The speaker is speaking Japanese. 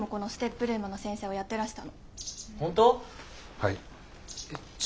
はい。